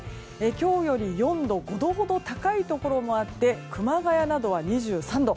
今日より４度、５度ほど高いところもあって熊谷などは２３度。